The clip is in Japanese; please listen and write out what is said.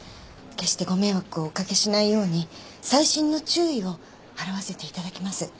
決してご迷惑をお掛けしないように細心の注意を払わせていただきます。